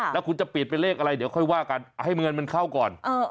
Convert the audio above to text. แล้วคุณจะเปลี่ยนเป็นเลขอะไรเดี๋ยวค่อยว่ากันให้เงินมันเข้าก่อน